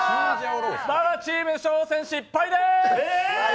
馬場チーム、挑戦失敗です！